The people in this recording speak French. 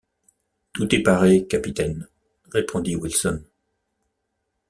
Tout est paré, capitaine, répondit Wilson.